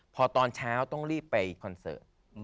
พอตอนเช้าต้องรีบไปคอนเสิร์ต